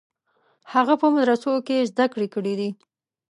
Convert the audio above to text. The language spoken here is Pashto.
هغه په مدرسو کې زده کړې کړې دي.